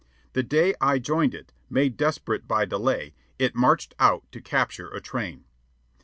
The day I joined it, made desperate by delay, it marched out to capture a train.